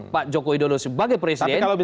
pak joko widodo sebagai presiden